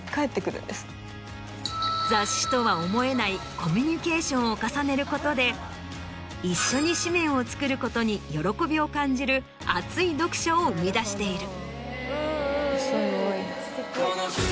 雑誌とは思えないコミュニケーションを重ねることで一緒に誌面を作ることに喜びを感じる熱い読者を生み出している。